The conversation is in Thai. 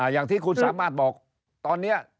อย่างที่คุณสามารถบอกตอนนี้